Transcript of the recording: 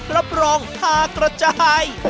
รับรองทากระจาย